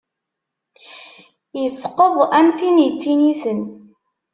Isqeḍ am tin ittiniten.